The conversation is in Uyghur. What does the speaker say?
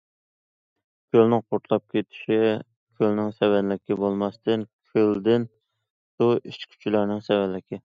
كۆلنىڭ قۇرتلاپ كېتىشى كۆلنىڭ سەۋەنلىكى بولماستىن، كۆلدىن سۇ ئىچكۈچىلەرنىڭ سەۋەنلىكى.